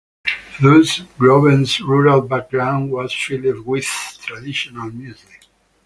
Thus, Groven's rural background was filled with traditional music.